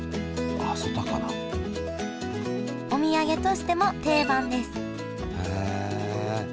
お土産としても定番です